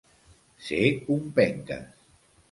Ser un penques.